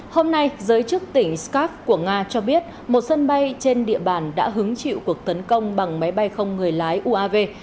hôm nay giới chức tỉnh skop của nga cho biết một sân bay trên địa bàn đã hứng chịu cuộc tấn công bằng máy bay không người lái uav